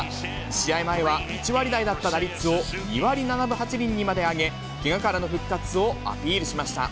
試合前は１割台だった打率を２割７分８厘にまで上げ、けがからの復活をアピールしました。